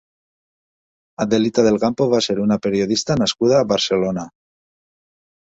Adelita del Campo va ser una periodista nascuda a Barcelona.